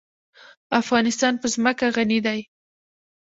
افغانستان په ځمکه غني دی.